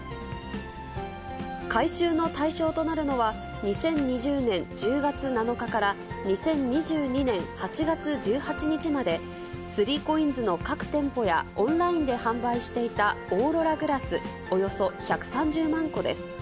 回収の対象となるのは、２０２０年１０月７日から２０２２年８月１８日まで、３ＣＯＩＮＳの各店舗や、オンラインで販売していたオーロラグラスおよそ１３０万個です。